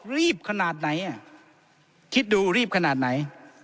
รีบขนาดไหนคิดดูรีบขนาดไหน